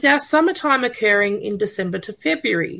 dengan waktu musim panas kita berlaku dari maret sampai februari